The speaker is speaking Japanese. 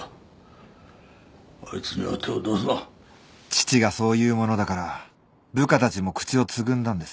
あいつには手を出すな父がそう言うものだから部下たちも口をつぐんだんです。